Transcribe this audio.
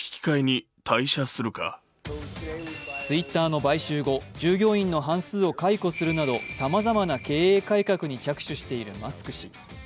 Ｔｗｉｔｔｅｒの買収後、従業員の半数を解雇するなどさまざまな経営改革に着手しているマスク氏。